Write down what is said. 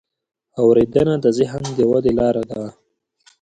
اورېدنه د ذهن د ودې لاره ده.